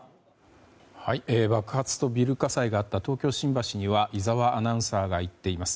爆発とビル火災があった東京・新橋には井澤アナウンサーが行っています。